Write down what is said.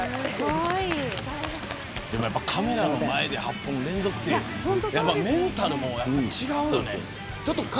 カメラの前で８本連続ってメンタルも違うよね。